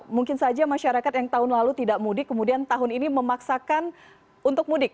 mungkin saja masyarakat yang tahun lalu tidak mudik kemudian tahun ini memaksakan untuk mudik